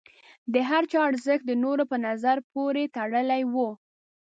د هر چا ارزښت د نورو په نظر پورې تړلی و.